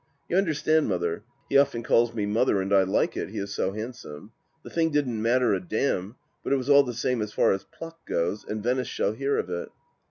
" You understand. Mother " (he often calls me Mother and I like it, he is so handsome), " the thing didn't matter a damn, but it was all the same as far as pluck goes, and Venice shall hear of it."